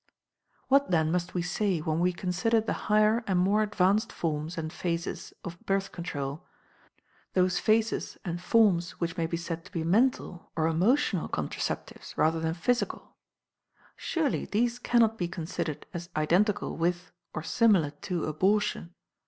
What then must we say when we consider the higher and more advanced forms and phases of Birth Control, those phases and forms which may be said to be mental or emotional "contraceptives," rather than physical? Surely these cannot be considered as identical with or similar to abortion.